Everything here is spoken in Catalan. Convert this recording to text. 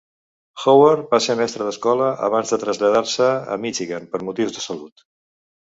Howard va ser mestre d'escola abans de traslladar-se a Michigan per motius de salut.